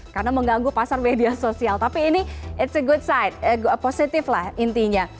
karena mengganggu pasar media sosial tapi ini it's a good side positif lah intinya